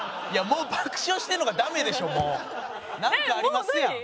もう爆笑してるのがダメでしょもう。なんかありますやん。